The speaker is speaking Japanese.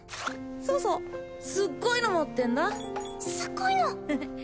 そうそうすっごいの持ってんだすっごいの！？